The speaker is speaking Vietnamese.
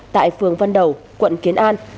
tại phường văn đầu quận kiến an